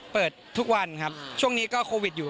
เปิดทุกวันครับช่วงนี้ก็โควิดอยู่